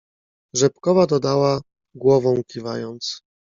"Rzepkowa dodała, głową kiwając."